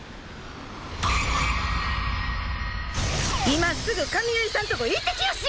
今すぐ髪結いさんとこ行ってきよし！